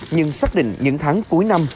nhưng xác định những tháng cuối năm